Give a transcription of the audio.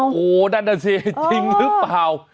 โอ้โหนั่นน่ะสิจริงหรือเปล่า